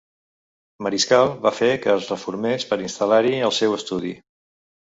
Mariscal va fer que es reformés per instal·lar-hi el seu estudi.